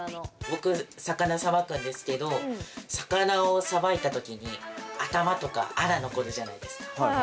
僕魚さばくんですけど魚をさばいた時に頭とかアラ残るじゃないですか。